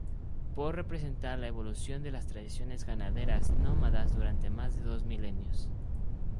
Por representar la evolución de las tradiciones ganaderas nómadas durante más de dos milenios.